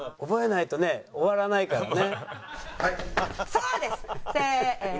そうです！せーの。